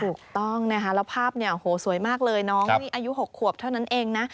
ถูกต้องแล้วภาพสวยมากเลยน้องอายุ๖ขวบเท่านั้นเองนะ